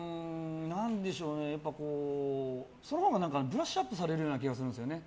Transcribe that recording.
やっぱ、そのほうがブラッシュアップされるような気がするんですよね。